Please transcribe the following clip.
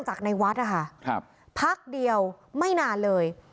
จากในวัดนะคะครับพักเดียวไม่นานเลย